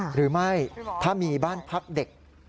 หรือไม่ถ้ามีบ้านพักเด็ก